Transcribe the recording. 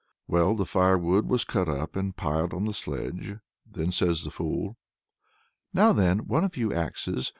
Well, the firewood was cut up and piled on the sledge. Then says the fool: "Now then, one of you axes!